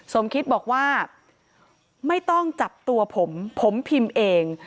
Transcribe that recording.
สมคิตบอกว่าไม่ต้องจับตัวผมผมพิมพ์เอง